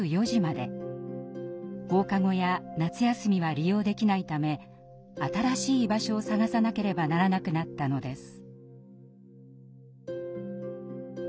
放課後や夏休みは利用できないため新しい居場所を探さなければならなくなったのです。